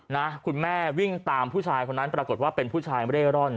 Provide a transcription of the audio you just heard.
นะคุณแม่วิ่งตามผู้ชายคนนั้นปรากฏว่าเป็นผู้ชายเร่ร่อน